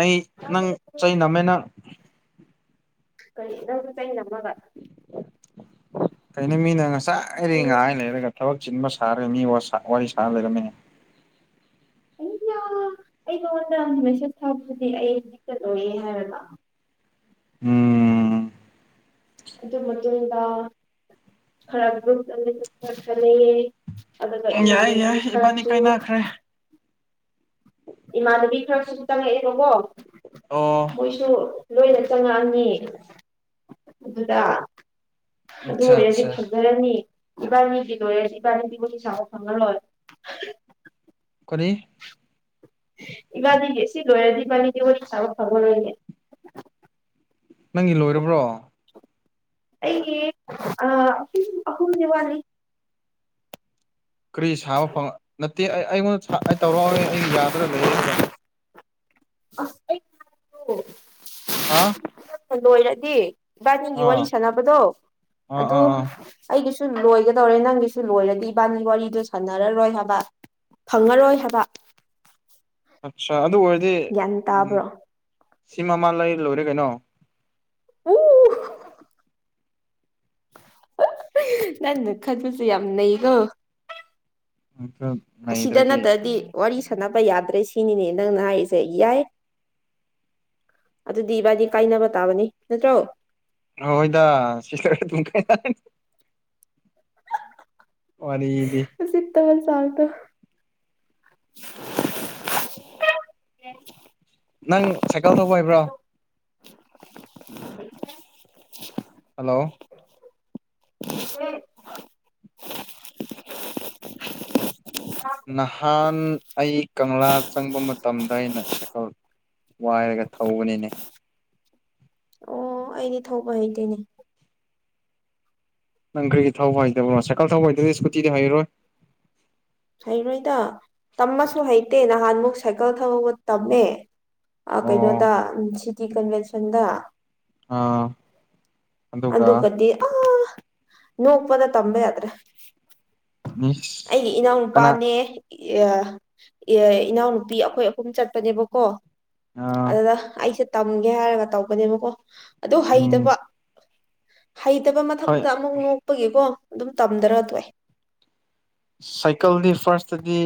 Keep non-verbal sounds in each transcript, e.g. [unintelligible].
ꯑꯩ ꯅꯪ ꯆꯩ ꯅꯝꯃꯦ ꯅꯪ ꯀꯩ ꯅꯪ ꯆꯩ ꯅꯝꯃꯒ ꯀꯩꯅꯣ ꯃꯤꯅ ꯉꯁꯥꯏ ꯔꯩ ꯑꯩꯅ ꯉꯥꯏ ꯂꯩꯔꯒ ꯊꯕꯛ ꯆꯤꯟꯕ ꯁꯥꯥ ꯃꯤ ꯋꯥꯁꯥ ꯋꯥꯔꯤ ꯁꯥ ꯂꯩꯔꯝꯃꯦꯅꯦ꯫ [unintelligible] ꯑ ꯑꯩ ꯅꯉꯣꯟꯗ ꯃꯦꯁꯦꯠ ꯊꯕꯗꯨꯗꯤ ꯑꯩ ꯍꯨꯖꯤꯛꯇ ꯂꯣꯌꯦ ꯍꯥꯏꯔꯒ꯫ ꯎꯝ ꯑꯗꯨ ꯃꯇꯨꯡꯗ ꯈꯔ ꯒ꯭ꯔꯨꯞꯇ ꯃꯦꯁꯦꯠ ꯈꯔ ꯊꯥꯅꯩꯌꯦ꯫ ꯑꯗꯨꯒ ꯌꯥꯏ ꯏꯃꯥꯟꯅꯕꯤ ꯌꯥꯏ ꯏꯕꯥꯅꯤ ꯈꯔꯁꯨ ꯀꯥꯏꯅꯈ꯭ꯔꯦ ꯏꯃꯥꯟꯅꯕꯤ ꯈꯔ ꯁꯨꯝ ꯆꯪꯉꯛꯑꯦꯕꯀꯣ ꯑꯣ ꯃꯣꯏꯁꯨ ꯂꯣꯏꯅ ꯆꯪꯉꯛꯑꯅꯤ ꯑꯗꯨꯗ ꯑꯗꯨ ꯑꯠꯆꯥ ꯑꯣꯏꯔꯗꯤ ꯑꯠꯆꯥ ꯐꯖꯔꯅꯤ꯫ ꯏꯕꯥꯥꯅꯤꯒꯤ ꯂꯣꯏꯔꯗꯤ ꯏꯕꯥꯅꯤꯗꯤ ꯋꯥꯔꯤ ꯁꯥꯕ ꯐꯪꯉꯔꯣꯏ꯫ [unintelligible] [unintelligible] ꯏꯕꯥꯅꯤꯗꯤ ꯑꯁꯤ ꯂꯣꯏꯔꯗꯤ ꯏꯕꯅꯤꯗꯤ ꯋꯥꯔꯤ ꯁꯥꯕ ꯐꯪꯉꯔꯣꯏꯅꯦ꯫ ꯅꯪꯒꯤ ꯂꯣꯏꯔꯕ꯭ꯔꯣ? ꯑꯩ ꯑ ꯑꯍꯨꯝ ꯑꯍꯨꯝꯗꯤ ꯋꯥꯂꯤ꯫ ꯀꯔꯤ ꯁꯥꯕ ꯐꯪ ꯅꯠꯇꯦ ꯑꯩ ꯑꯩꯉꯣꯟꯗ ꯑꯩ ꯇꯧꯔꯛꯑꯣ ꯑꯩꯒꯤ ꯌꯥꯗ꯭ꯔ ꯂꯩꯌꯦꯔꯒ [unintelligible] ꯍꯥꯥ ꯂꯣꯏꯔꯗꯤ ꯏꯕꯥꯅꯤꯒꯤ ꯋꯥꯔꯤ ꯁꯥꯟꯅꯕꯗꯣ ꯑꯥ ꯑꯗꯨ ꯑꯥ ꯑꯥ ꯑꯩꯒꯤꯁꯨ ꯂꯣꯏꯒꯗꯧꯔꯦ ꯅꯪꯒꯤꯁꯨ ꯂꯣꯏꯔꯗꯤ ꯏꯕꯥꯅꯤ ꯋꯥꯔꯤꯗꯣ ꯁꯥꯟꯅꯔꯔꯣꯏ ꯍꯥꯕ꯫ ꯐꯪꯉꯔꯣꯏ ꯍꯥꯕ꯫ ꯑꯠꯆꯥ ꯑꯗꯨ ꯑꯣꯏꯔꯗꯤ ꯎꯝ ꯇꯥꯕ꯭ꯔꯣ ꯁꯤ ꯃꯃꯥ ꯂꯩ ꯂꯣꯏꯔꯦ ꯀꯩꯅꯣ꯫ [unintelligible] [unintelligible] ꯅꯟꯅ ꯈꯟꯕꯁꯨ ꯌꯥꯝ ꯅꯩꯀꯣ꯫ ꯑꯁꯤꯗ ꯅꯩꯗ꯭ꯔꯗꯤ ꯅꯠꯇ꯭ꯔꯗꯤ ꯋꯥꯔꯤ ꯁꯅꯕ ꯌꯥꯗ꯭ꯔꯦ ꯁꯤꯅꯤꯅꯦ ꯅꯪꯅ ꯍꯥꯏꯔꯤꯁꯦ ꯌꯥꯏ꯫ ꯑꯗꯨꯗꯤ ꯏꯕꯥꯗꯤ ꯀꯥꯏꯅꯕ ꯇꯥꯕꯅꯤ ꯅꯠꯇ꯭ꯔꯣ? ꯍꯣꯏꯗ [unintelligible] ꯋꯥꯔꯤꯗꯤ [unintelligible] ꯅꯪ ꯁꯥꯏꯀꯜ ꯊꯧꯕ ꯍꯩꯕ꯭ꯔꯣ? [unintelligible] ꯍꯂꯣ [unintelligible] ꯅꯍꯥꯟ ꯑꯩ ꯀꯪꯂꯥ ꯆꯪꯕ ꯃꯇꯝꯗ ꯑꯩꯅ ꯁꯥꯏꯀꯧ ꯋꯥꯏꯔꯒ ꯊꯧꯕꯅꯤꯅꯦ ꯑꯣ ꯑꯩꯗꯤ ꯊꯧꯕ ꯍꯩꯇꯣꯏꯅꯦ ꯅꯪ ꯀꯔꯤꯒꯤ ꯊꯧꯕ ꯍꯥꯏꯗꯕ꯭ꯔꯣ ꯁꯥꯏꯀꯜ ꯊꯧꯕ ꯍꯥꯏꯗꯗꯤ ꯏꯁꯀꯨꯇꯤꯗ ꯍꯩꯔꯔꯣꯏ ꯍꯩꯔꯣꯏꯗ ꯇꯝꯃꯁꯨ ꯍꯩꯇꯦ ꯅꯍꯥꯟꯃꯨꯛ ꯁꯥꯏꯀꯜ ꯊꯒ ꯇꯝꯃꯦ ꯑꯣ ꯀꯩꯅꯣꯗ ꯁꯤꯇꯤ ꯀꯟꯚꯦꯟꯁꯟꯗ ꯑꯥ ꯑꯗꯨꯒ ꯑꯗꯨ ꯑꯗꯨ ꯀꯗꯤ ꯑ ꯅꯅꯨꯡ ꯎꯄꯗ ꯇꯝꯕꯦ ꯍꯥꯏ꯭ꯔꯦ ꯑ ꯅꯨꯕꯥꯅꯦ ꯏꯅꯥꯎꯅꯨꯄꯤ ꯑꯩꯈꯣꯏ ꯑꯍꯨꯝ ꯆꯠꯄꯅꯦꯕꯀꯣ ꯑꯥ ꯑꯗꯨꯗ ꯑꯩꯁꯦ ꯇꯝꯒꯦ ꯍꯥꯏꯔꯒ ꯇꯧꯕꯅꯦꯕꯀꯣ ꯑꯗꯨ ꯎꯝ ꯍꯩꯇꯕ ꯍꯩꯇꯕ ꯍꯣꯏ ꯃꯊꯛꯇ ꯑꯃꯨꯛ ꯅꯣꯛꯄꯒꯤꯀꯣ ꯑꯗꯨꯝ ꯇꯝꯗꯔ ꯇꯏ ꯁꯥꯏꯀꯜꯗꯤ ꯐꯥꯔꯁꯇꯗꯤ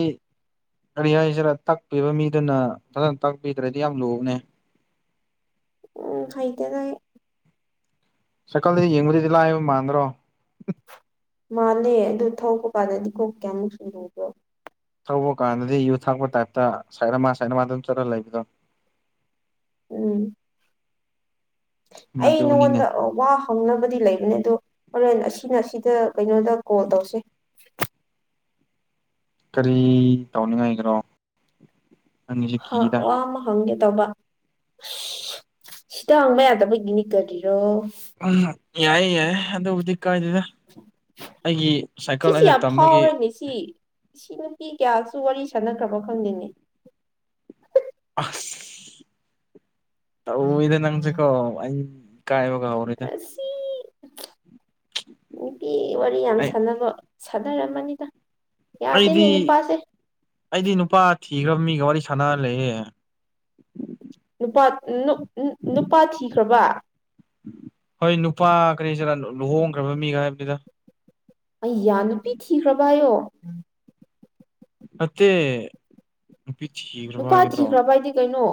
ꯀꯔꯤ ꯍꯥꯏꯁꯤꯔ ꯇꯥꯛꯄꯤꯕ ꯃꯤꯗꯨꯅ ꯐꯖꯅ ꯇꯥꯛꯄꯤꯗ꯭ꯔꯗꯤ ꯌꯥꯝ ꯂꯨꯕꯅꯦ ꯎꯝ ꯈꯥꯏꯇꯗꯥꯏ ꯁꯀꯜꯗꯗꯤ ꯌꯦꯡꯉꯗꯗꯤ ꯂꯥꯛꯑꯕ ꯃꯥꯟꯗ꯭ꯔꯣ ꯃꯥꯜꯂꯦ ꯑꯗꯨ ꯊ ꯀ ꯀꯥꯟꯗꯗꯤ ꯀꯣꯛ ꯀꯌꯥꯃꯨꯛ ꯁꯨꯗꯕ꯭ꯔꯣ ꯊꯧꯕ ꯀꯥꯟꯗꯗꯤ ꯌꯨ ꯊꯥꯛꯄ ꯇꯥꯏꯞꯇ ꯁꯥꯏꯠ ꯑꯃ ꯁꯥꯏꯠ ꯑꯃꯗ ꯑꯗꯨꯝ ꯆꯠꯂꯒ ꯂꯩꯕꯗꯣ ꯎꯝ ꯑꯩ ꯃꯗꯨꯅꯤꯅꯦ ꯅꯉꯣꯟꯗ ꯋꯥ ꯍꯧꯪꯅꯕꯗꯤ ꯂꯩꯕꯅꯦ ꯑꯗꯣ ꯍꯣꯔꯦꯟ ꯑꯁꯤꯅ ꯑꯁꯤꯗ ꯀꯩꯅꯣꯗ ꯀꯣꯜ ꯇꯧꯁꯦ ꯀꯔꯤ ꯇꯧꯅꯤꯡꯉꯥꯏꯈ꯭ꯔꯣ ꯍ ꯋꯥꯃ ꯍꯦ ꯀ ꯇꯧꯕ ꯁꯤꯗ ꯍꯥꯡꯕ ꯌꯥꯗꯕꯒꯤꯅꯤ ꯀꯔꯤꯔꯣ ꯎꯝ ꯌꯥꯏꯌꯦ ꯌꯥꯏꯦ ꯑꯗ ꯍꯧꯗꯤ ꯀꯗꯗ ꯁꯤꯁꯤ ꯌꯥꯝ ꯐꯥꯎꯔꯅꯤ ꯁꯤ ꯁꯤ ꯅꯨꯄꯤ ꯀꯌꯥ ꯁꯨ ꯋꯥꯔꯤ ꯁꯥꯟꯅꯈ꯭ꯔꯕ ꯈꯪꯅꯤꯡꯉ ꯇꯧ ꯏꯗ ꯅꯪꯁꯤꯀꯣ ꯑꯩ ꯏꯀꯥꯏꯕꯒ ꯍꯧꯔꯦꯗ ꯑꯁꯤ ꯅꯨꯄꯤ ꯋꯥꯔꯤ ꯌꯥꯝ ꯑꯩ ꯁꯥꯟꯅꯕ ꯁꯗꯔ ꯔꯃꯅꯤꯗ ꯑꯩꯗꯤ ꯑꯩꯗꯤ ꯅꯨꯄꯥ ꯀꯤꯈ꯭ꯔꯕ ꯃꯤꯒ ꯋꯥꯔꯤ ꯁꯥꯟꯅ ꯂꯩꯌꯦꯦ ꯅꯨꯄꯥ ꯅꯨꯄꯥ ꯊꯤꯈ꯭ꯔꯕ ꯍꯣꯏ ꯅꯨꯄꯥ ꯀꯔꯤꯁꯤꯔ ꯂꯨꯍꯣꯡꯈ꯭ꯔꯕ ꯃꯤꯒ ꯍꯥꯏꯕꯅꯤꯗ ꯑꯩ ꯌꯥꯅꯄꯤ ꯊꯤꯈ꯭ꯔꯕꯌꯣ ꯑ ꯅꯨꯄꯥ ꯊꯤꯈ꯭ꯔꯕꯏꯗꯤ ꯀꯩꯅꯣ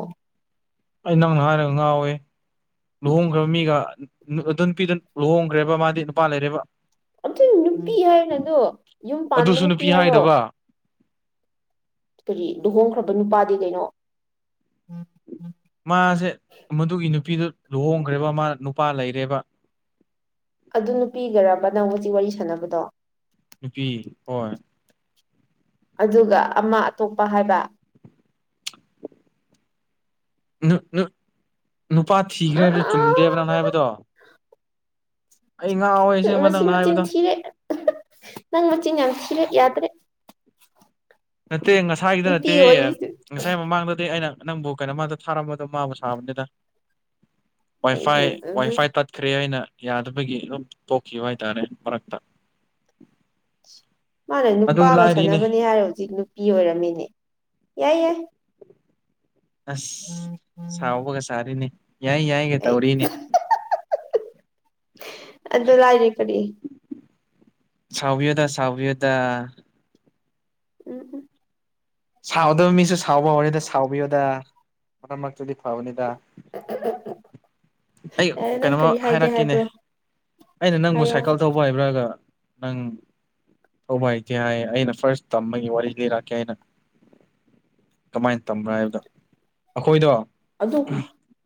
ꯑꯩ ꯅꯪꯅ ꯍꯥꯏꯔꯒ ꯉꯥꯎꯋꯦ ꯂꯨꯍꯣꯡꯈ꯭ꯔꯕ ꯃꯤꯒ ꯑꯗꯨ ꯅꯨꯄꯤꯗꯨ ꯂꯨꯍꯣꯡꯈ꯭ꯔꯦꯕ ꯃꯥꯗꯤ ꯅꯨꯄꯥ ꯂꯩꯔꯦꯕ ꯑꯗꯨ ꯅꯨꯄꯤ ꯍꯥꯏꯌꯣ ꯅꯗꯣ ꯌꯨꯝ ꯄꯥꯟꯕ ꯑꯗꯨꯁꯨ ꯅꯨꯄꯤ ꯍꯥꯏꯌꯣ ꯍꯥꯏꯗꯕ ꯀꯔꯤ ꯂꯨꯍꯣꯡꯈ꯭ꯔꯕ ꯅꯨꯄꯥꯗꯤ ꯀꯩꯅꯣ ꯃꯥꯁꯦ ꯃꯗꯨꯒꯤ ꯅꯨꯄꯤꯗꯨ ꯂꯨꯍꯣꯡꯈ꯭ꯔꯦꯕ ꯃꯥ ꯅꯨꯄꯥ ꯂꯩꯔꯦꯕ ꯑꯗꯨ ꯅꯨꯄꯤꯒꯔꯕ ꯅꯪꯖꯤ ꯋꯥꯔꯤ ꯁꯥꯟꯅꯕꯗꯣ ꯄꯤ ꯍꯣꯏ ꯑꯗꯨꯒ ꯑꯃ ꯑꯇꯣꯞꯄ ꯍꯥꯏꯕ ꯅꯨꯄꯥ ꯑ ꯊꯤꯈ꯭ꯔꯦ ꯍꯥꯏꯕꯗꯨ ꯆꯨꯝꯗꯦꯕ ꯅꯪ ꯍꯥꯏꯕꯗꯣ ꯑꯩ ꯉꯥꯎꯋꯦ ꯑꯁꯦꯡꯕ ꯃꯁꯤ ꯅꯪꯅ ꯃꯆꯤꯟ ꯍꯥꯏꯕꯗꯣ ꯊꯤꯔꯦ ꯅꯪ ꯃꯆꯤꯟ ꯌꯥꯝ ꯊꯤꯔꯦ ꯌꯥꯗ꯭ꯔꯦ ꯅꯠꯇꯦ ꯉꯁꯥꯏꯒꯤꯗ ꯅꯠꯇꯦ ꯅꯨꯄꯤꯒꯤ ꯋꯥꯔꯤꯁꯤ ꯉꯁꯥꯏ ꯃꯃꯥꯡꯗꯗꯤ ꯑꯩꯅ ꯅꯪꯕꯨ ꯀꯩꯅꯣ ꯃꯥꯗ ꯊꯥꯔꯝꯕꯗꯣ ꯃꯥꯕꯨ ꯁꯥꯕꯅꯤꯗ ꯋꯥꯏꯐꯥꯏ ꯋꯥꯏꯐꯥꯏ ꯇꯠꯈ꯭ꯔꯦ ꯑꯩꯅ ꯌꯥꯗꯕꯒꯤ ꯑꯗꯨꯝ ꯇꯣꯛꯈꯤꯕ ꯍꯥꯏꯇꯥꯔꯦ ꯃꯔꯛꯇ ꯃꯥꯅ ꯑꯗꯨ ꯅꯨꯄꯥꯒ ꯂꯥꯏꯔꯤꯅꯦ ꯁꯥꯟꯅꯕꯅꯦ ꯍꯥꯏꯔꯣ ꯍꯧꯖꯤꯛ ꯅꯨꯄꯤ ꯑꯣꯏꯔꯝꯃꯤꯅꯦ ꯌꯥꯏ ꯌꯥꯏ ꯑꯁ ꯁꯥꯎꯕꯒ ꯆꯥꯔꯤꯅꯤ ꯌꯥꯏ ꯌꯥꯏꯒ ꯑꯩ ꯇꯧꯔꯤꯅꯤ ꯑꯗꯨꯗꯣ ꯂꯥꯏꯅꯤꯦ ꯀꯔꯤ ꯁꯗ ꯁꯚꯌꯗ ꯎꯝ ꯎꯝ ꯁꯥꯎꯗꯕ ꯃꯤꯁꯨ ꯁꯥꯎꯕ ꯍꯧꯔꯅꯤꯗ ꯁꯥꯎꯕꯤꯌꯨꯗ ꯃꯇꯝ ꯃꯔꯛꯇꯨꯗꯤ ꯐꯕꯅꯤꯗ [inaudible] ꯑꯩ ꯌꯥꯔꯦ ꯅꯪ ꯀꯩꯅꯣꯃ ꯀꯔꯤ ꯍꯥꯏꯒꯦ ꯍꯥꯏꯔꯛꯀꯦꯅꯦ ꯍꯥꯏꯕ꯭ꯔꯣ ꯑꯩꯅ ꯅꯪꯕꯨ ꯍꯥꯏꯌꯣ ꯁꯥꯏꯀꯜ ꯊꯧꯕ ꯍꯥꯏꯕ꯭ꯔꯥꯒ ꯅꯪ ꯊꯧꯕ ꯍꯥꯏꯇꯦ ꯍꯥꯏ ꯑꯩꯅ ꯐꯥꯔꯁ ꯇꯝꯕꯒꯤ ꯋꯥꯔꯤ ꯂꯤꯔꯛꯀꯦ ꯑꯩꯅ ꯀꯃꯥꯏꯅ ꯇꯝꯕ꯭ꯔꯣ ꯍꯥꯏꯕꯗꯣ ꯑꯩꯈꯣꯏꯗꯣ ꯑꯗꯨ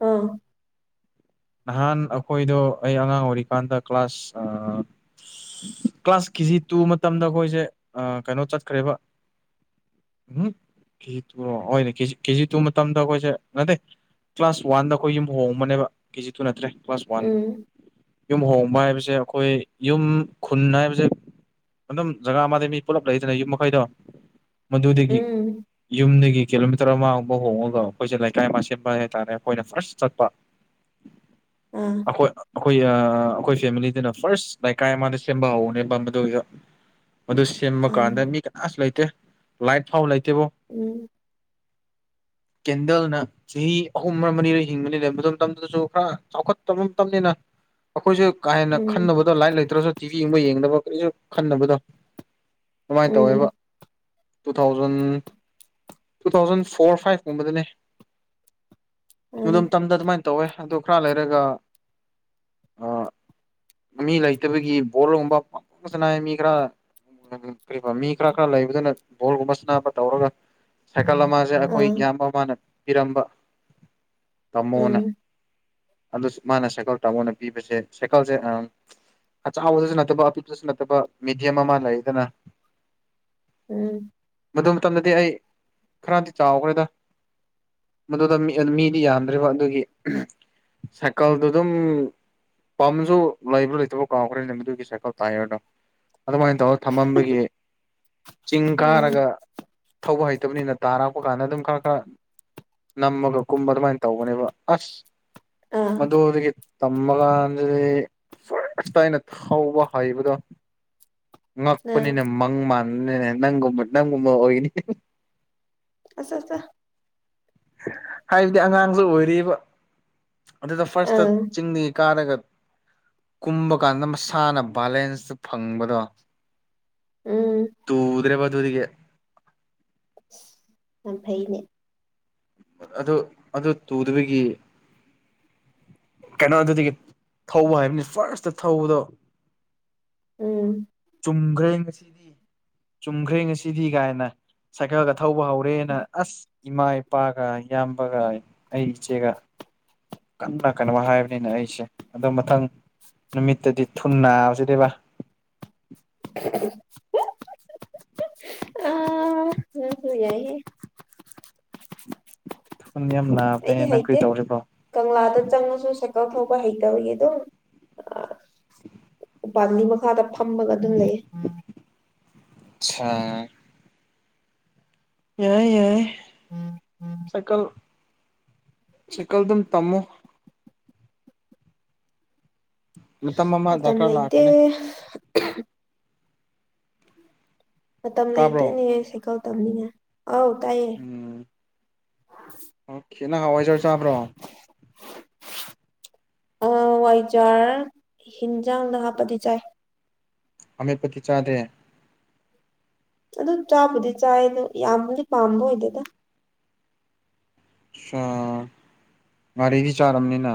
ꯑꯥ ꯅꯍꯥꯟ ꯑꯩꯈꯣꯏꯗꯣ ꯑꯩ ꯑꯉꯥꯡ ꯑꯣꯏꯔꯤꯀꯥꯟꯗ ꯀ꯭ꯂꯥꯁ ꯀ꯭ꯂꯥꯁ ꯀꯦꯖꯤ ꯇꯨ ꯃꯇꯝꯗ ꯑꯩꯈꯣꯏꯁꯦ ꯀꯩꯅꯣ ꯆꯠꯈ꯭ꯔꯦꯕ [inaudible] ꯎꯝ ꯀꯦ ꯇꯅꯦꯦꯖꯤ ꯀꯦꯖꯤ ꯇꯨ ꯃꯇꯝꯗ ꯑꯩꯈꯣꯏꯁꯦ ꯉꯠꯇꯦ ꯀ꯭ꯂꯥꯁ ꯋꯥꯟꯗ ꯑꯩꯈꯣꯏ ꯌꯨꯝ ꯍꯣꯡꯉꯕꯅꯦꯕ ꯀꯦꯖꯤ ꯇꯨ ꯅꯠꯇ꯭ꯔꯦ ꯀ꯭ꯂꯥꯁ ꯋꯥꯟ ꯎꯝ ꯌꯨꯝ ꯍꯣꯡꯕ ꯍꯥꯏꯕꯁꯦ ꯑꯩꯈꯣꯏ ꯌꯨꯝ ꯈꯨꯟ ꯍꯥꯏꯕꯁꯦ ꯑꯗꯨꯝ ꯖꯒꯥ ꯑꯃꯗ ꯃꯤ ꯄꯨꯂꯞ ꯂꯩꯗꯅ ꯌꯨꯝ ꯃꯈꯩꯗꯣ ꯃꯗꯨꯗꯒꯤ ꯎꯝ ꯌꯨꯝꯗꯒꯤ ꯀꯤꯂꯣꯃꯤꯇꯔ ꯑꯃꯒꯕ ꯍꯣꯡꯉꯒ ꯑꯩꯈꯣꯏꯁꯦ ꯂꯩꯀꯥꯏ ꯑꯃ ꯁꯦꯝꯕ ꯍꯥꯏꯇꯥꯔꯦ ꯑꯩꯈꯣꯏꯅ ꯐꯥꯔꯁ ꯆꯠꯄ ꯑꯥ ꯑꯩꯈꯣꯏ ꯑꯩꯈꯣꯏ ꯑꯩꯈꯣꯏ ꯐꯦꯃꯤꯂꯤꯗꯨꯅ ꯐꯥꯔꯁ ꯂꯩꯀꯥꯏ ꯑꯃꯗ ꯁꯦꯝꯕ ꯍꯧꯧꯕꯅꯦꯕ ꯃꯗꯨꯗ ꯃꯗꯨ ꯁꯦꯝꯕ ꯑꯥ ꯀꯥꯟꯗ ꯃꯤ ꯀꯅꯥꯁꯨ ꯂꯩꯇꯦ ꯂꯥꯏꯠ ꯐꯥꯎ ꯂꯩꯇꯦ ꯎꯝ ꯀꯦꯟꯗꯜꯅ ꯆꯍꯤ ꯑꯍꯨꯝ ꯃꯔꯤꯔꯣꯏ ꯍꯤꯡꯕꯅꯤ ꯂꯩ ꯃꯇꯝ ꯃꯇꯝꯗꯨꯗꯁꯨ ꯈꯔ ꯆꯥꯎꯈꯠꯇꯕ ꯃꯇꯝꯅꯤꯅ ꯑꯩꯈꯣꯏꯁꯨꯦ ꯀꯥ ꯍꯦꯟꯅ ꯎꯝ ꯈꯟꯅꯕꯗ ꯂꯥꯏꯔꯤꯛ ꯂꯩꯇ꯭ꯔꯁꯨ ꯇꯤꯚꯤ ꯌꯦꯡꯕ ꯌꯦꯡꯗꯕ ꯀꯔꯤꯁꯨ ꯈꯟꯅꯕꯗꯣ ꯀꯃꯥꯏꯅ ꯎꯝ ꯇꯧꯋꯦꯕ two thousand two thousand four ꯐꯥꯏꯚꯀꯨꯝꯕꯗꯅꯦ ꯑꯥ ꯗꯝ ꯇꯝꯗ ꯑꯗꯨꯃꯥꯏꯅ ꯇꯧꯋꯦ ꯑꯗꯣ ꯈꯔ ꯂꯩꯔꯒ [inaudible] ꯃꯤ ꯂꯩꯇꯕꯒꯤ ꯕꯣꯜꯒꯨꯝꯕ ꯄꯥꯡꯊꯣꯛꯁꯅ ꯃꯤ ꯈꯔ ꯀꯔꯤ ꯃꯤ ꯈꯔ ꯈꯔ ꯂꯩꯕꯗꯨꯅ ꯕꯣꯜꯒꯨꯝꯕ ꯁꯕ ꯇꯧꯔꯒ ꯁꯥꯏꯀꯜ ꯑꯃꯁꯁꯦ ꯑꯩꯈꯣꯏ ꯑꯥ ꯏꯌꯥꯝꯕ ꯃꯥꯅ ꯄꯤꯔꯝꯕ ꯇꯃꯨꯅ ꯎꯝ ꯑꯗꯨꯁꯨ ꯃꯥꯅ ꯁꯥꯏꯀꯜ ꯇꯥꯃꯣꯅ ꯄꯤꯕꯁꯦ ꯁꯥꯏꯀꯜꯁꯦ ꯑ ꯑ ꯆꯥꯎꯕꯗꯁꯨ ꯅꯠꯇꯕ ꯑꯄꯤꯄꯗꯁꯨ ꯅꯠꯇꯕ ꯃꯦꯗꯤꯌꯝ ꯑꯃ ꯂꯩꯗꯅ ꯎꯝ ꯑꯗꯨ ꯃꯇꯝꯗꯗꯤ ꯑꯩ ꯈꯔꯗꯤ ꯆꯥꯎꯈ꯭ꯔꯦꯗ ꯃꯗꯨꯗ ꯃꯤꯗꯤ ꯌꯥꯝꯗ꯭ꯔꯤꯕ ꯑꯗꯨꯒꯤ ꯁꯥꯏꯀꯜꯗꯨ ꯑꯗꯨꯝ ꯄꯥꯝꯁꯨ ꯂꯩꯕ꯭ꯔꯥ ꯂꯩꯇꯕ ꯀꯥꯎꯈ꯭ꯔꯦꯅꯦ ꯃꯗꯨꯒꯤ ꯁꯥꯏꯀꯜ ꯇꯥꯏꯔꯅꯣ ꯑꯗꯨꯃꯥꯏꯅ ꯇꯧꯔꯒ ꯊꯝꯃꯝꯕꯒꯤ ꯆꯤꯡ ꯎꯝ ꯀꯥꯔꯒ ꯊꯧꯕ ꯍꯩꯇꯕꯅꯤꯅ ꯇꯥꯔꯛꯄ ꯀꯥꯟꯗ ꯑꯗꯨꯝ ꯈꯔ ꯈꯔ ꯅꯝꯃꯒ ꯀꯨꯝꯕ ꯑꯗꯨꯃꯥꯏꯅ ꯇꯧꯧꯕꯅꯦꯕ ꯑꯁ ꯑꯥ ꯃꯗꯨꯗꯒꯤ ꯇꯝꯃ ꯀꯥꯟꯗꯗꯤꯇꯥꯏꯅ ꯍꯧꯕ ꯍꯩꯕꯗꯣ ꯑꯥ ꯉꯛꯄꯅꯤꯅ ꯃꯪ ꯃꯥꯟꯅꯤꯅ ꯅꯪꯒꯨꯝꯕ ꯅꯪꯒꯨꯝꯕ ꯑꯣꯏꯅꯤ ꯑ ꯑ ꯍꯥꯏꯕꯗꯤ ꯑꯉꯥꯡꯁꯨ ꯑꯣꯏꯔꯤꯕ ꯑꯗꯨꯗ ꯐꯥꯔꯁꯇ ꯑꯥ ꯆꯤꯡꯗꯒꯤ ꯀꯥꯔꯒ ꯀꯨꯝꯕ ꯀꯥꯟꯗ ꯃꯁꯥꯅ ꯕꯦꯂꯦꯟꯁꯇꯨ ꯐꯪꯕꯗꯣ ꯎꯝ ꯇꯨꯗꯔꯦꯕ ꯇꯨꯗꯤꯒꯦ ꯌꯥꯝ ꯐꯩꯅꯦ ꯑꯗꯨ ꯑꯗꯨ ꯇꯨꯗꯕꯒꯤ ꯀꯩꯅꯣ ꯑꯗꯨꯗꯒꯤ ꯊꯧꯕ ꯍꯥꯏꯕꯅꯤ ꯐꯥꯔꯁꯇ ꯊꯧꯕꯗꯣ ꯎꯝ ꯆꯨꯝꯈ꯭ꯔꯦ ꯉꯁꯤꯗꯤ ꯆꯨꯝꯈ꯭ꯔꯦ ꯉꯁꯤꯗꯤ ꯀꯥꯏꯅ ꯁꯥꯏꯀꯜꯒ ꯊꯧꯕ ꯍꯧꯔꯦꯅ ꯑꯁ ꯏꯃꯥ ꯏꯄꯥꯒ ꯏꯌꯥꯝꯕꯒ ꯑꯩ ꯏꯆꯦꯒ ꯀꯟꯅ ꯀꯩꯅꯣ ꯍꯥꯏꯕꯅꯤꯅꯦ ꯑꯩꯁꯦ ꯑꯗꯨꯣ ꯃꯊꯪ ꯅꯨꯃꯤꯠꯇꯗꯤ ꯊꯨꯅꯥ ꯁꯤꯗꯕ [unintelligible] ꯌꯥ [unintelligible] ꯌꯥꯝꯅ [unintelligible] ꯑꯩꯗꯤ ꯍꯩꯇꯦ ꯀꯪꯂꯥꯗ ꯆꯪꯂꯉꯁꯨ ꯁꯥꯏꯀꯜ ꯊꯧꯕ ꯍꯩꯇꯧꯔꯤ ꯎ ꯎ ꯄꯅꯤ ꯃꯈꯥꯗ ꯐꯝꯃꯒ ꯑꯗꯨꯝ ꯂꯩ ꯑꯆꯥ ꯌꯥꯏ ꯌꯥꯏ ꯁꯀꯜ ꯆꯀꯜꯗꯝ ꯇꯃꯣ ꯑꯃ ꯃꯇꯝ ꯗꯔꯀꯥꯔ ꯂꯩꯇꯦ ꯂꯥꯛꯀꯅꯤ ꯃꯇꯝ ꯇꯥꯕ꯭ꯔꯣ ꯂꯩꯇꯦꯅꯦꯍ ꯁꯥꯏꯀꯜ ꯇꯝꯅꯤꯉ ꯑꯥꯎ ꯇꯥꯏꯑ ꯑꯣ ꯈꯦꯠꯅ ꯍꯋꯥꯏꯖꯔ ꯆꯥꯕ꯭ꯔꯣ ꯋꯥꯏꯖꯥꯔ ꯍꯤꯟꯖꯥꯡꯗ ꯍꯥꯞꯄꯗꯤ ꯆꯥꯏ ꯍꯃꯦ ꯄꯊꯆꯥꯥꯗꯦ ꯑꯗꯨ ꯆꯥꯕꯨꯗꯤ ꯆꯥꯏ ꯑꯗ ꯌꯥꯝꯕꯨꯗꯤ ꯄꯥꯝꯕ ꯑꯣꯏꯗꯦꯗ ꯑ ꯉꯔꯤꯗꯤ ꯆꯥꯔꯝꯅꯤꯅ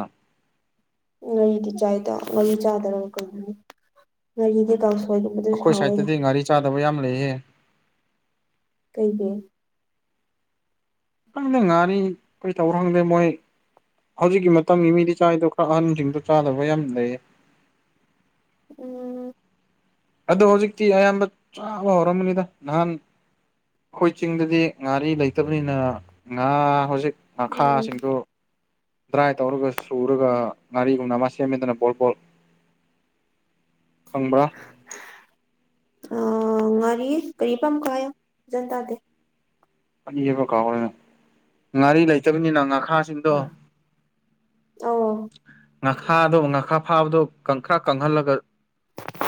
ꯉꯥꯔꯤꯗꯤ ꯆꯥꯏꯗ ꯉꯔꯤ ꯆꯥꯗꯔ ꯀꯅꯤ ꯉꯥꯔꯤꯗꯤ ꯁꯣꯏꯒꯨꯝꯕꯗꯨꯁꯨ ꯑꯩꯈꯣꯏ ꯍꯥꯎꯋꯣꯏꯅꯦ ꯁꯥꯏꯠꯇꯗꯤ ꯉꯥꯔꯤ ꯆꯥꯗꯕ ꯌꯥꯝ ꯂꯩꯌꯦ ꯀꯩꯒꯤ ꯈꯪꯗꯦ ꯉꯥꯅꯤ ꯀꯩ ꯇꯧꯔꯣ ꯈꯪꯗꯦ ꯃꯣꯏ ꯍꯧꯖꯤꯛꯀꯤ ꯃꯇꯝꯒꯤ ꯃꯤꯗꯤ ꯆꯥꯏꯗꯣ ꯈꯔ ꯑꯍꯟꯁꯤꯡꯗꯣ ꯆꯥꯗꯕ ꯌꯥꯝ ꯂꯩ ꯎꯝ ꯑꯗ ꯍꯧꯖꯤꯛꯇꯤ ꯑꯌꯥꯝꯕ ꯆꯥꯕ ꯍꯧꯔꯝꯕꯅꯤꯗ ꯅꯍꯥꯟ ꯑꯩꯈꯣꯏ ꯆꯤꯡꯗꯗꯤ ꯉꯥꯔꯤ ꯂꯩꯇꯕꯅꯤꯅ ꯉꯥ ꯍꯧꯖꯤꯛ ꯎꯝ ꯈꯥꯁꯤꯡꯗꯨ ꯗ꯭ꯔꯥꯏ ꯇꯧꯔꯒ ꯁꯨꯔꯒ ꯉꯥꯔꯤꯒꯨꯝꯅ ꯑꯃ ꯁꯦꯝꯃꯦꯗꯅ ꯕꯣꯜꯕꯣꯜ ꯈꯪꯕꯔ ꯑ ꯉꯥꯔꯤꯌꯦ ꯀꯔꯤ ꯄꯥꯝꯈ ꯍꯥꯏ ꯐꯖꯟ ꯇꯥꯗꯦ ꯑꯅꯤ ꯍꯦꯕ ꯀꯥꯎꯔꯦꯅ ꯉꯥꯔꯤ ꯂꯩꯇꯕꯅꯤꯅ ꯉꯥ ꯑꯥꯎ ꯉꯥꯈꯥꯗꯣ ꯉꯥꯈꯥ ꯐꯥꯕꯗꯣ ꯀꯪꯈ꯭ꯔꯥ ꯀꯪꯍꯜꯂꯒ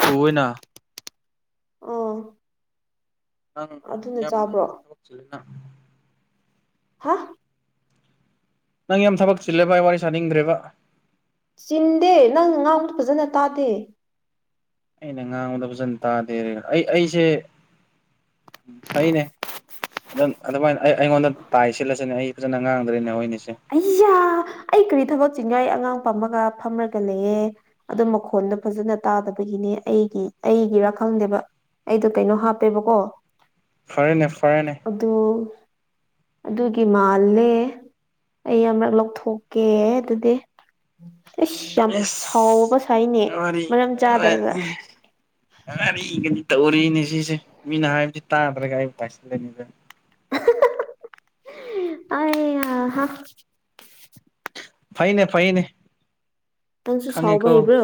ꯁꯅ ꯑꯥ ꯅꯪ ꯌꯥꯝ ꯅꯪ ꯊꯂꯛꯁꯤꯅ ꯍꯥ ꯅꯪ ꯌꯥꯝ ꯊꯕꯛ ꯆꯤꯜꯂꯦ ꯚꯥꯏ ꯋꯥꯔꯤ ꯁꯥꯅꯤꯡꯗ꯭ꯔꯦꯕ ꯆꯤꯟꯗꯦ ꯅꯪ ꯉꯥꯗ ꯐꯖꯅ ꯇꯥꯗꯦ ꯑꯩꯅ ꯉꯥꯡꯕꯗ ꯐꯖꯅ ꯇꯥꯗꯦ ꯑꯩ ꯑꯩꯁꯦ ꯎꯝ ꯐꯩꯅꯦ ꯑꯗꯨ ꯑꯗꯨꯃꯥꯏꯅ ꯑꯩ ꯑꯩꯉꯣꯟꯗ ꯇꯥꯏ ꯁꯤꯜꯂꯁꯤꯅꯦ ꯑꯩ ꯐꯖꯅ ꯉꯥꯡꯗ꯭ꯔꯦꯅꯦ ꯍꯣꯏꯅꯤꯁ ꯑꯩꯌꯥ ꯑꯩ ꯀꯔꯤ ꯊꯕꯛ ꯆꯤꯡꯉꯏ ꯑꯉꯥꯡꯝꯃ ꯐꯝꯒ ꯂꯩꯑ ꯑꯗꯨ ꯃꯈꯣꯟꯗꯣ ꯐꯖꯅ ꯇꯥꯗꯕꯒꯤꯅꯦ ꯑꯩꯒꯤ ꯑꯩꯒꯤ ꯔ ꯈꯪꯗꯦꯕ ꯑꯩꯗꯣ ꯀꯩꯅꯣ ꯍꯥꯞꯄꯦꯕꯀꯣ ꯐꯔꯦꯅꯦ ꯐꯔꯦꯅꯦ ꯑꯗꯨ ꯑꯗꯨꯒꯤ ꯃꯥꯜꯂꯦ ꯑꯩ ꯑꯃꯔꯛ ꯂꯧꯊꯣꯛꯀꯦ ꯑꯗꯨꯗꯤ ꯑꯁ ꯌꯥꯝ ꯁꯥꯎꯕ ꯁꯥꯏꯅꯦ ꯑꯦꯁ ꯋꯥꯔꯤ ꯃꯔꯝ ꯆꯥꯗꯔꯒ ꯉꯔꯤꯒꯅꯤ ꯇꯧꯔꯤꯅꯦ ꯁꯤꯁꯦ ꯃꯤꯅ ꯍꯥꯏꯕꯁꯤ ꯇꯥꯗ꯭ꯔꯒ ꯑꯩꯕꯨ ꯇꯥꯏꯁꯤꯟꯂꯅꯤꯗ ꯑ [unintelligible] ꯐꯩꯅꯦ ꯐꯩꯅꯦ ꯅꯪꯁꯨ ꯈꯪꯉꯦ ꯁꯥꯎꯕ ꯀꯣ ꯍꯩꯕ꯭ꯔꯣ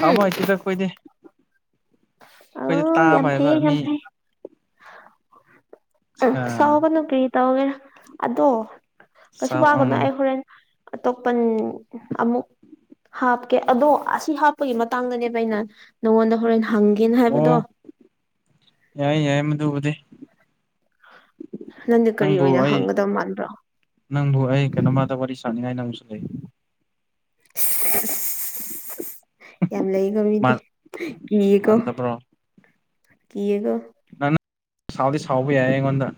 ꯁꯥꯃ ꯍꯥꯏꯥꯏꯇꯗ ꯀꯣꯏꯗꯤ ꯑ ꯌꯥꯝ ꯐꯩꯌꯦ ꯃꯤ ꯌꯥꯝꯐꯩ ꯎ ꯁꯥꯎꯒꯅꯨ ꯀꯔꯤ ꯇꯧꯒꯦꯅ ꯑꯗꯣ ꯀꯩꯁꯨ ꯋꯥꯒꯅꯣ ꯎꯝ ꯑꯩ ꯍꯣꯔꯦꯟ ꯑꯇꯣꯞꯄꯟ ꯑꯃꯨꯛ ꯍꯥꯞꯀꯦ ꯑꯗꯣ ꯑꯁꯤ ꯍꯥꯞꯄꯒꯤ ꯃꯇꯥꯡꯗꯅꯦꯕ ꯑꯩꯅ ꯅꯪꯉꯣꯟꯗ ꯍꯣꯔꯦꯟ ꯍꯪꯒꯦꯅ ꯑꯣ ꯍꯥꯏꯕꯗꯣ ꯌꯥꯏ ꯌꯥꯏ ꯃꯗꯨꯕꯨꯗꯤ ꯅꯪꯗꯤ ꯀꯔꯤ ꯅꯪꯕꯨ ꯑꯣꯏꯅ ꯑꯩ ꯍꯪꯒꯗꯕ ꯃꯥꯟꯕ꯭ꯔꯣ ꯅꯪꯕꯨ ꯑꯩ ꯀꯩꯅꯣꯝꯃꯗ ꯋꯥꯔꯤ ꯁꯥꯟꯅꯤꯡꯉꯥꯏ ꯅꯪꯁꯨ ꯂꯩ [unintelligible] ꯑ ꯌꯥꯝ ꯂꯩꯀꯣ ꯃꯤꯗꯤ ꯀꯤꯌꯦꯀꯣ ꯃꯥꯟꯗꯕ꯭ꯔꯣ ꯀꯌꯦꯒ ꯅꯪ ꯅꯪ ꯁꯥꯎꯗꯤ ꯁꯥꯎꯕ ꯌꯥꯏ ꯑꯩꯉꯣꯟꯗ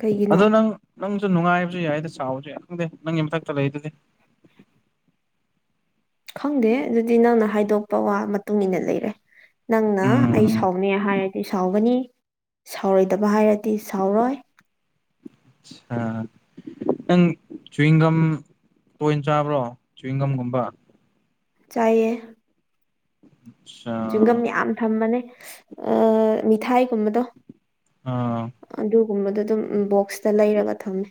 ꯀꯩꯒꯤꯅꯣ ꯑꯗꯣ ꯅꯪ ꯅꯪ ꯑꯗꯨ ꯅꯨꯡꯉꯥꯏꯕꯁꯨ ꯌꯥꯏꯗ ꯆꯥꯎꯥꯎꯕꯁꯨ ꯌꯥ ꯈꯪꯗꯦ ꯅꯪꯒꯤ ꯃꯊꯛꯇ ꯂꯩꯗꯨꯗꯤ ꯈꯪꯗꯦ ꯑꯗꯨꯗꯤ ꯅꯪꯅ ꯍꯥꯏꯗꯣꯛꯄ ꯋꯥ ꯃꯇꯨꯡ ꯏꯟꯅ ꯂꯩꯔꯦ ꯅꯪꯅ ꯑꯩ ꯎꯝ ꯁꯥꯎꯅꯦ ꯍꯥꯏꯔꯗꯤ ꯁꯥꯎꯒꯅꯤ ꯁꯥꯎꯔꯣꯏꯗꯕ ꯍꯥꯏꯔꯗꯤ ꯁꯥꯎꯔꯣꯏ ꯑ ꯅꯪ ꯆꯨꯋꯤꯡꯒꯝ ꯇꯣꯏꯅ ꯆꯥꯕ꯭ꯔꯣ ꯆꯋꯤꯡꯒꯝꯒꯨꯝꯕ ꯆꯥꯏꯌꯦ ꯆꯤꯡꯒꯝ ꯌꯥꯝ ꯊꯝꯃꯅꯦ ꯃꯤꯊꯥꯏꯒꯨꯝꯕꯗꯣ ꯑ ꯑꯗꯨꯒꯨꯝꯕꯗꯣ ꯑꯗꯨꯝ ꯕꯣꯛꯁꯇ ꯂꯩꯔꯒ ꯊꯝꯃꯦ